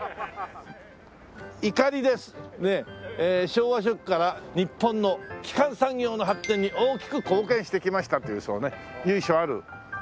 「昭和初期から日本の基幹産業の発展に大きく貢献してきました」という由緒ある。